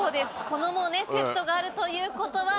このセットがあるということは。